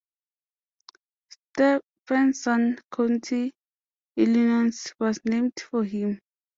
Stephenson County, Illinois was named for him.